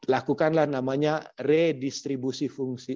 lakukanlah namanya redistribusi fungsi